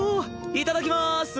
いただきます。